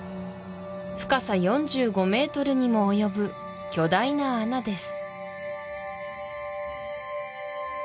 深さ４５ｍにもおよぶ巨大な穴です